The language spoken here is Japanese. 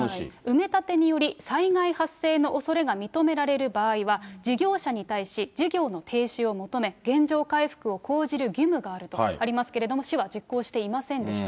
埋め立てにより、災害発生のおそれが認められる場合は、事業者に対し、事業の停止を求め、原状回復を講じる義務があるとありますけれども、市は実行していませんでした。